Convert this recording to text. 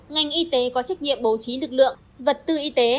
ngoài ra ngành y tế có trách nhiệm bố trí lực lượng vật tư y tế